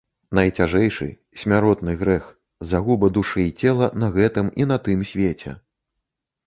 Найцяжэйшы, смяротны грэх, загуба душы і цела на гэтым і на тым свеце!